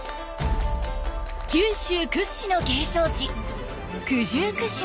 九州屈指の景勝地九十九島。